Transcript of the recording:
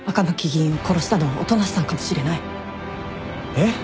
えっ？